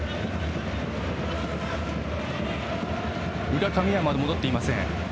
浦上はまだ戻っていません。